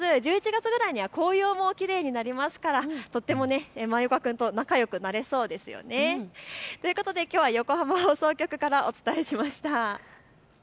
１１月ぐらいには紅葉もきれいになりますから、まいおか犬くんと仲よくなれそうですよね。ということで、きょうは横浜放送局からお伝えしました。